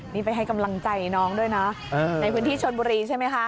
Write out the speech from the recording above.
นี่ไปให้กำลังใจน้องด้วยนะในพื้นที่ชนบุรีใช่ไหมคะ